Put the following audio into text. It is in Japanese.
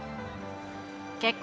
結婚